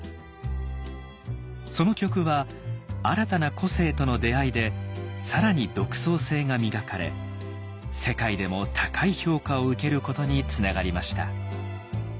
その曲は新たな個性との出会いで更に独創性が磨かれ世界でも高い評価を受けることにつながりました。